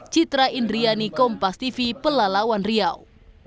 citra indriani kompas tv pelalawan riau